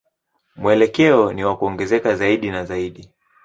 Mwelekeo ni wa kuongezeka zaidi na zaidi.